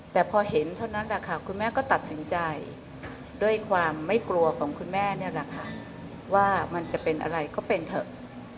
แต่พอเห็นเท่านั้นคุณแม่ก็ตัดสินใจด้วยความไม่กลัวของคุณแม่ว่ามันจะเป็นอะไรก็เป็นเถอะ